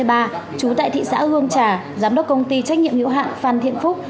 trú tại thị xã hương trà giám đốc công ty trách nhiệm hiệu hạn phan thiện phúc